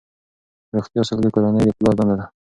روغتیا ساتل د کورنۍ د پلار دنده ده.